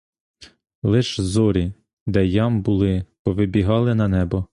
Лиш зорі, де ям були, повибігали на небо.